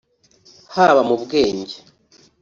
haba mu bwenge